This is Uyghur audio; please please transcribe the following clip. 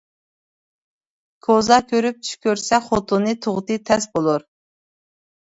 كوزا كۆرۈپ چۈش كۆرسە خوتۇنى تۇغۇتى تەس بولۇر.